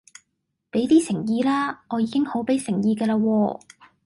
俾啲誠意啦，我已經好俾誠意㗎啦喎